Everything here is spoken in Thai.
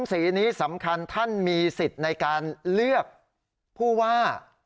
สีนี้สำคัญท่านมีสิทธิ์ในการเลือกผู้ว่า